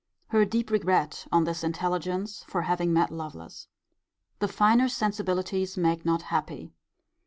Her deep regret on this intelligence, for having met Lovelace. The finer sensibilities make not happy.